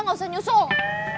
gak usah nyusung